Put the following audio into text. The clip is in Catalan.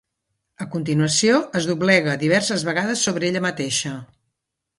A continuació, es doblega diverses vegades sobre ella mateixa.